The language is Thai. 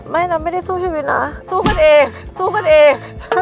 นะไม่ได้สู้ชีวิตนะสู้กันเองสู้กันเอง